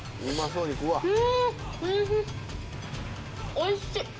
おいしい！